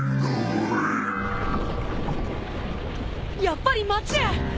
やっぱり町へ！